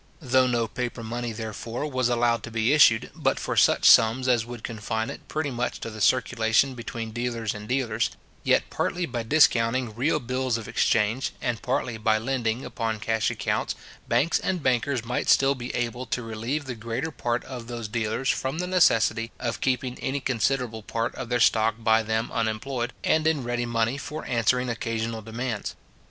Though no paper money, therefore, was allowed to be issued, but for such sums as would confine it pretty much to the circulation between dealers and dealers; yet partly by discounting real bills of exchange, and partly by lending upon cash accounts, banks and bankers might still be able to relieve the greater part of those dealers from the necessity of keeping any considerable part of their stock by them unemployed, and in ready money, for answering occasional demands.